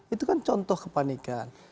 itu kan contoh kepanikan